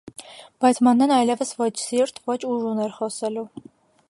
Բայց Մանեն այլևս ոչ սիրտ, ոչ ուժ ուներ խոսելու: